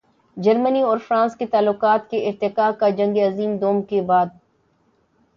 جرمنی اور فرانس کے تعلقات کے ارتقاء کا جنگ عظیم دوئم کے بعد۔